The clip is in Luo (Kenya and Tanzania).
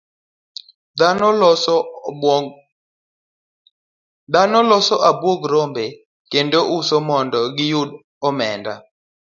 Dhano loso abuog rombe kendo uso mondo giyud omenda.